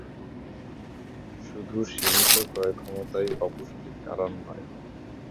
শুধু সীমিত ক্রয়ক্ষমতাই অপুষ্টির কারন নয়।